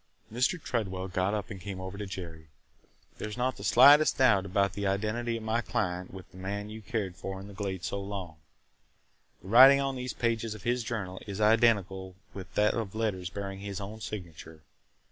Mr. Tredwell got up and came over to Jerry. "There 's not the slightest doubt about the identity of my client with the man you cared for in the Glades so long. The writing on these pages of his journal is identical with that of letters bearing his own signature.